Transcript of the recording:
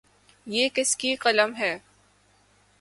یہ کس کی قلم ہے ؟